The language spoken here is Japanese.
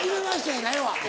やないわ。